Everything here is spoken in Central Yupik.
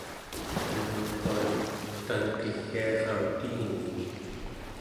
unuaquan tanqigiarautiini